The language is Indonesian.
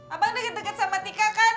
abang deket deket sama tika kan